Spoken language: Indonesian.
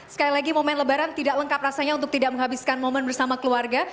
sekali lagi momen lebaran tidak lengkap rasanya untuk tidak menghabiskan momen bersama keluarga